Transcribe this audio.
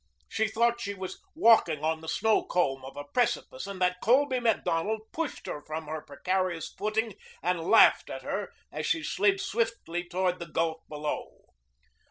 She thought she was walking on the snow comb of a precipice and that Colby Macdonald pushed her from her precarious footing and laughed at her as she slid swiftly toward the gulf below.